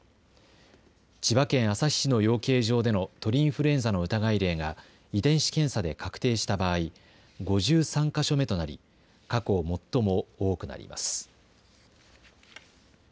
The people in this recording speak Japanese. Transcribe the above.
千葉県旭市の養鶏場での鳥インフルエンザの疑い例が、遺伝子検査で確定した場合、５３か所目となり、過去最も多くなります。